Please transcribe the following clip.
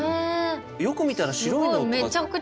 よく見たら白いのとか。